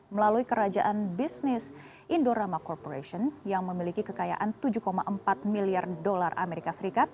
melalui kerajaan bisnis indorama corporation yang memiliki kekayaan tujuh empat miliar dolar amerika serikat